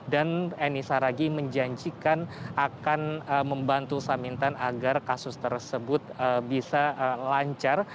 dan eni saragi menjanjikan akan membantu samintan agar kasus tersebut bisa lancar